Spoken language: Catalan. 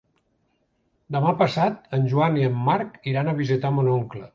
Demà passat en Joan i en Marc iran a visitar mon oncle.